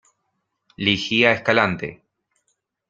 Ligia Escalante